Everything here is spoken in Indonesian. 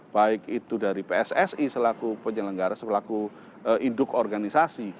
baik itu dari pssi selaku penyelenggara selaku induk organisasi